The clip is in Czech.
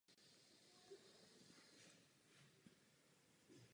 S Antonínem Dvořákem jej pojilo celoživotní přátelství.